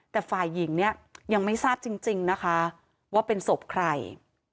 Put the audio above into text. แต่ฝ่ายหญิงเนี่ยยังไม่ทราบจริงนะคะว่าเป็นศพใคร